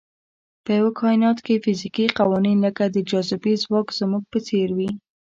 په یوه کاینات کې فزیکي قوانین لکه د جاذبې ځواک زموږ په څېر وي.